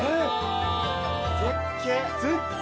絶景！